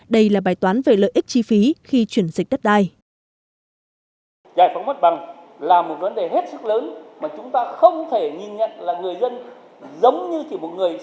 đây là bài toán về lợi ích chi phí khi chuyển dịch đất đai